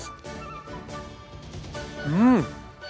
うん！